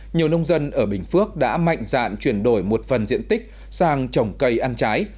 nhiều nông dân ở bình phước đã mạnh dạn chuyển đổi một phần diện tích sang trồng cây ăn trái